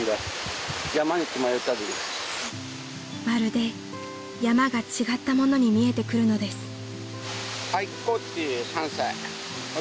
［まるで山が違ったものに見えてくるのです］